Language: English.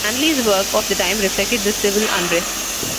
Manley's work of the time reflected this civil unrest.